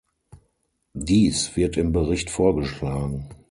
Dies wird im Bericht vorgeschlagen.